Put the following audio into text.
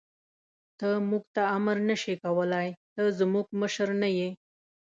ته موږ ته امر نه شې کولای، ته زموږ مشر نه یې.